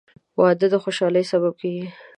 • واده د خوشحالۍ سبب کېږي.